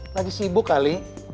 lagi sibuk kali